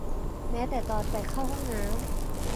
แม้แต่ตอนไปเข้าห้องน้ำ